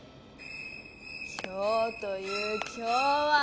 今日という今日は。